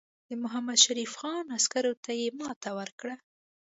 د محمدشریف خان عسکرو ته یې ماته ورکړه.